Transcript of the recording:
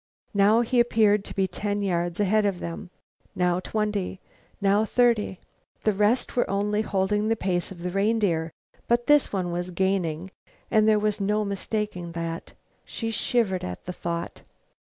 Now he appeared to be ten yards ahead of them, now twenty, now thirty. The rest were only holding the pace of the reindeer, but this one was gaining, there was no mistaking that. She shivered at the thought.